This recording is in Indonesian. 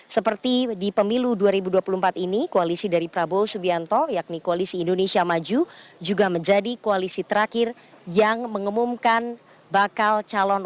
seperti di pemilu dua ribu dua puluh empat ini koalisi dari prabowo subianto yakni koalisi indonesia maju juga menjadi koalisi terakhir yang mengumumkan bakal calon